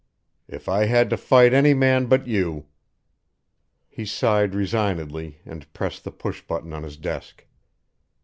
If I had to fight any man but you " He sighed resignedly and pressed the push button on his desk.